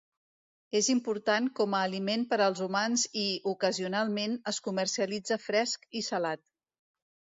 És important com a aliment per als humans i, ocasionalment, es comercialitza fresc i salat.